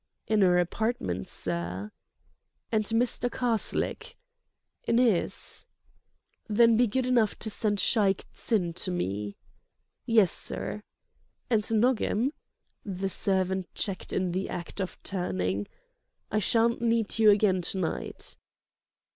"In 'er apartment, sir." "And Mr. Karslake?" "In 'is." "Then be good enough to send Shaik Tsin to me." "Yes, sir." "And, Nogam!"—the servant checked in the act of turning—"I shan't need you again to night."